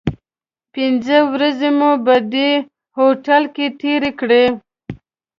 پنځه ورځې مو په دې هوټل کې تیرې کړې.